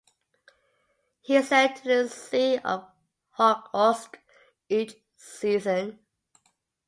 He sailed to the Sea of Okhotsk each season.